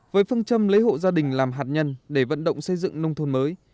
với phương châm lấy hộ gia đình làm hạt nhân để vận động xây dựng nông thôn mới